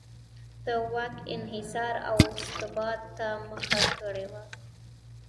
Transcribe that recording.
د واک انحصار او استبداد ته مخه کړې وه.